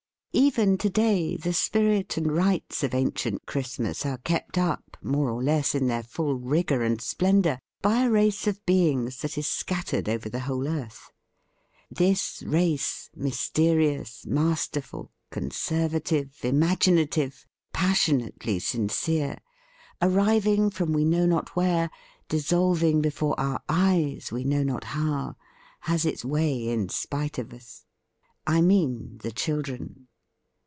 Hf Even today the spirit and rites of ancient Christmas are kept up, more or less in their full rigour and splen dour, by a race of beings that is scat tered over the whole earth. This race, mysterious, masterful, conservative, imaginative, passionately sincere, ar riving from we know not where, dis solving before our eyes we know not how, has its way in spite of us. I mean the children.